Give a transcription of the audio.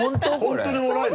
本当にもらえるの？